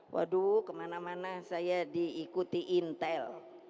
waduh kemana mana saya diikuti intel